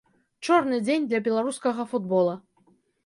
Чорны дзень для беларускага футбола.